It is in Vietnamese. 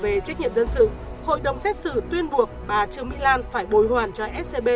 về trách nhiệm dân sự hội đồng xét xử tuyên buộc bà trương mỹ lan phải bồi hoàn cho scb